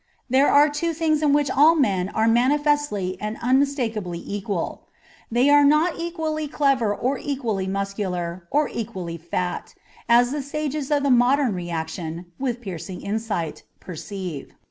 There are two things in which all men are mani festly and unmistakably equal. They are not equally clever or equally muscular or equally fat, as the sages of the modern reaction (with piercing insight) perceive.